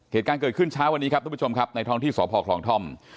เหตุการณ์เกิดขึ้นเช้าวันนี้ครับทุกผู้ชมครับในท้องที่สพคลองท่อม